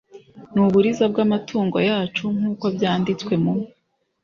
n uburiza bw amatungo yacu nk uko byanditswe mu